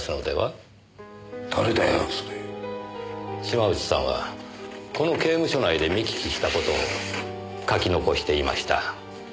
島内さんはこの刑務所内で見聞きした事を書き残していました。